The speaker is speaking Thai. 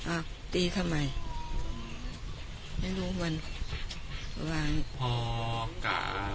อ่าตีทำไมไม่รู้มันว่า